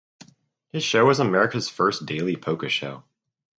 His show was America’s first daily polka show.